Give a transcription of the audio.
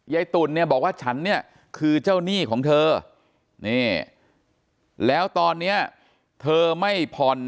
ตุ๋นเนี่ยบอกว่าฉันเนี่ยคือเจ้าหนี้ของเธอนี่แล้วตอนนี้เธอไม่ผ่อน